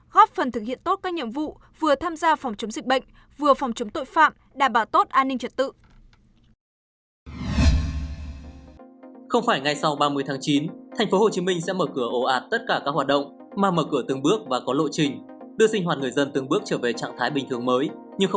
góp phần thực hiện tốt các nhiệm vụ vừa tham gia phòng chống dịch bệnh